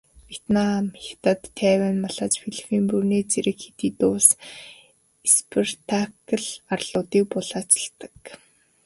Вьетнам, Хятад, Тайвань, Малайз, Филиппин, Бруней зэрэг хэд хэдэн улс Спратл арлуудыг булаацалддаг.